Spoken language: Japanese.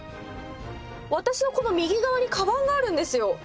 私のこの右側にかばんがあるんですよ。